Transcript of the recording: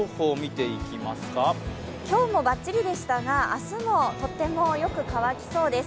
今日もばっちりでしたが明日もとてもよく乾きそうです。